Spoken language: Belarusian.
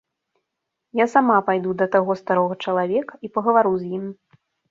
Я сама пайду да таго старога чалавека і пагавару з ім.